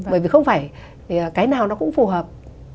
bởi vì không phải cái nào nó cũng phù hợp